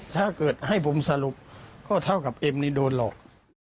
ถ้าเกิดให้ผมสรุปก็เท่ากับเอ็มนี่โดนหลอก